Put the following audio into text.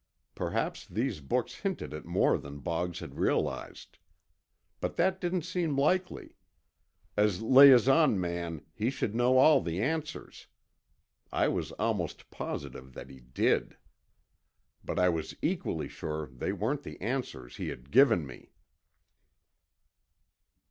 Perhaps these books hinted at more than Boggs had realized. But that didn't seem likely. As liaison man, he should know all the answers. I was almost positive that he did. But I was equally sure they weren't the answers he had given me.